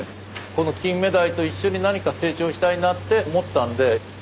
このキンメダイと一緒に何か成長したいなって思ったんで。